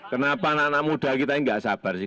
kenapa anak muda kita enggak sabar sih